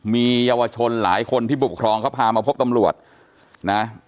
มีเยาวชนหลายคนที่บุกครองเขาพามาพบตำรวจนะ